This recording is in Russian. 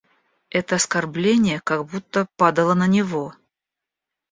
Это оскорбление как будто падало на него.